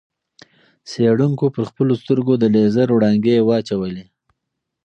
څېړونکو پر خپلو سترګو د لېزر وړانګې واچولې.